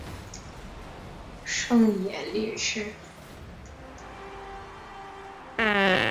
胜野莉世。